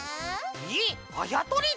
えっあやとりで！？